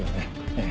ええ。